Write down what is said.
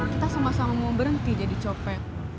kita sama sama mau berhenti jokowi